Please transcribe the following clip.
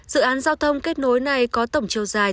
dự án giao thông kết nối này có tổng chiều dài